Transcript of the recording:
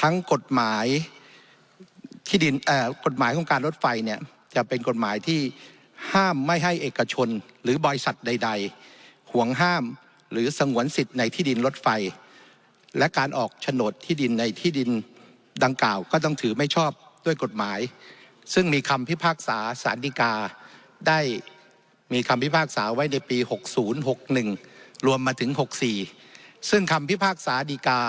ทั้งกฎหมายที่ดินกฎหมายของการรถไฟเนี่ยจะเป็นกฎหมายที่ห้ามไม่ให้เอกชนหรือบริษัทใดห่วงห้ามหรือสงวนสิทธิ์ในที่ดินรถไฟและการออกโฉนดที่ดินในที่ดินดังกล่าวก็ต้องถือไม่ชอบด้วยกฎหมายซึ่งมีคำพิพากษาสารดีกาได้มีคำพิพากษาไว้ในปี๖๐๖๑รวมมาถึง๖๔ซึ่งคำพิพากษาดีกา